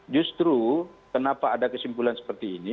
justru kenapa ada kesimpulan seperti ini